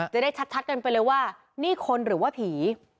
จะได้ชัดกันไปเลยว่านี่คนหรือว่าผี